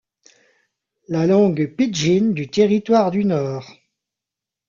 La langue pidgin du Territoire du Nord.